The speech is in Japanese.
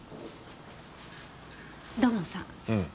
土門さん。